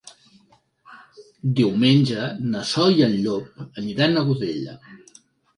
Diumenge na Sol i en Llop aniran a Godella.